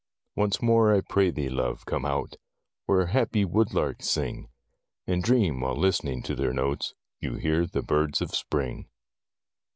Once more, I pray thee, love, come out, Where happy woodlarks sing, And dream, while listening to their notes, You hear the birds of Spring.